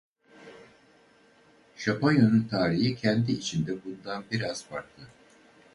Japonya'nın tarihi kendi içinde bundan biraz farklı.